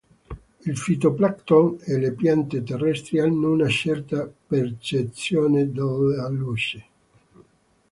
Il fitoplancton e le piante terrestri hanno una certa percezione della luce.